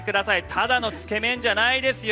ただのつけ麺じゃないですよ。